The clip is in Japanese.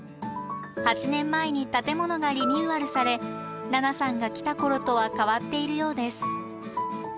８年前に建物がリニューアルされＮＡＮＡさんが来た頃とは変わっているようです。